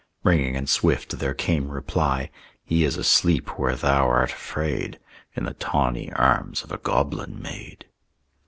Ringing and swift there came reply, "He is asleep where thou art afraid, In the tawny arms of a goblin maid!"